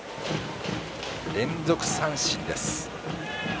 連続三振です。